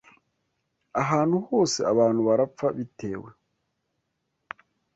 Ahantu hose abantu barapfa bitewe